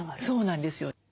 そうなんですよ。